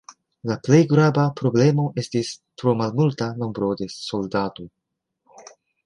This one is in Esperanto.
La plej grava problemo estis tro malmulta nombro de soldatoj.